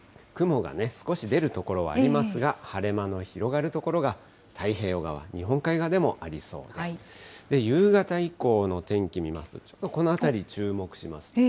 雲がね、少し出る所はありますが、晴れ間の広がる所が太平洋側、日本海側でもありそうです。夕方以降の天気見ますと、ちょっとこのあたり、注目します。